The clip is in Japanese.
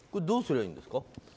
どうすればいいんですか？